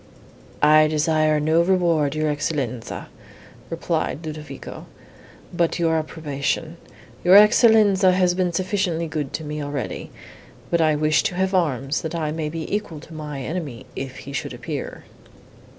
"I desire no reward, your Excellenza," replied Ludovico, "but your approbation. Your Excellenza has been sufficiently good to me already; but I wish to have arms, that I may be equal to my enemy, if he should appear."